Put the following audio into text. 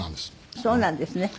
そうなんです。